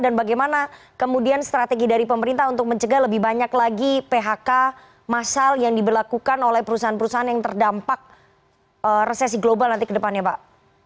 dan bagaimana kemudian strategi dari pemerintah untuk mencegah lebih banyak lagi phk masal yang diberlakukan oleh perusahaan perusahaan yang terdampak resesi global nanti kedepannya pak